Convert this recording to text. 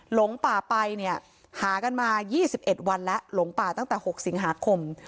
หลงป่าไปเนี่ยหากันมา๒๑วันแล้วหลงป่าตั้งแต่๖สิงหาคม